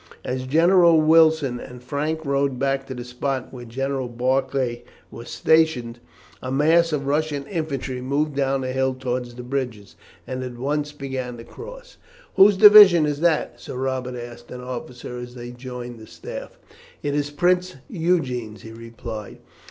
As General Wilson and Frank rode back to the spot where General Barclay was stationed, a mass of Russian infantry moved down the hill towards the bridges, and at once began to cross. "Whose division is that?" Sir Robert asked an officer as they joined the staff. "It is Prince Eugene's," he replied.